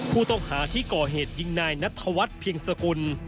ผู้ต้องหาที่ก่อเหตุยิงนายนัทธวัฒน์เพียงสกุล